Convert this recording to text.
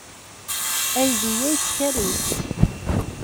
Aydi-a yettkerric.